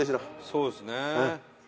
そうですね。